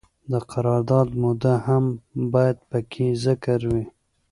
د قرارداد موده هم باید پکې ذکر وي.